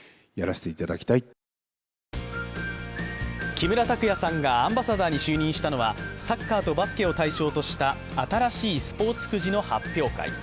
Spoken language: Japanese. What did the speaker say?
木村拓哉さんがアンバサダーに就任したのはサッカーとバスケを対象とした新しいスポーツくじの発表会。